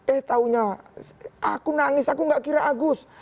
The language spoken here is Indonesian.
eh taunya aku nangis aku gak kira agus